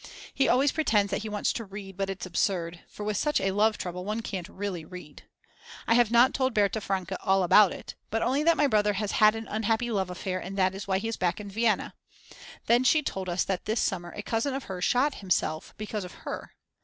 He always pretends that he wants to read, but it's absurd, for with such a love trouble one can't really read. I have not told Berta Franke all about it, but only that my brother has had an unhappy love affair and that is why he is back in Vienna. Then she told us that this summer a cousin of hers shot himself because of her.